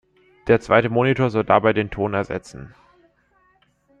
Der zweite Monitor soll dabei den Ton ersetzen.